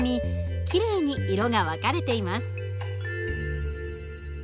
きれいに色が分かれています。